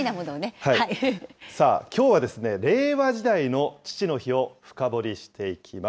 さあ、きょうはですね、令和時代の父の日を深掘りしていきます。